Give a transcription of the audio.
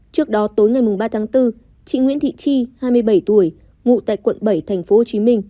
trước đó tối ngày ba tháng bốn chị nguyễn thị chi hai mươi bảy tuổi ngụ tại quận bảy tp hcm